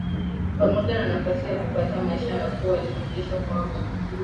pamoja na nafasi ya kupata maisha nafuu Walifundishwa kwamba